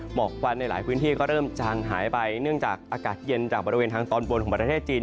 หมอกควันในหลายพื้นที่ก็เริ่มจางหายไปเนื่องจากอากาศเย็นจากบริเวณทางตอนบนของประเทศจีน